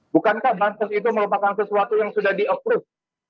bukankah bansos itu merupakan sesuatu yang sudah di approve